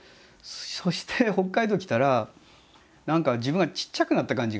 そして北海道へ来たら何か自分がちっちゃくなった感じがして。